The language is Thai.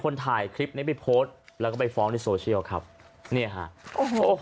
ถ่ายคลิปนี้ไปโพสต์แล้วก็ไปฟ้องในโซเชียลครับเนี่ยฮะโอ้โห